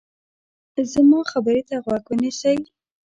زما خبرې ته غوږ ونیسئ.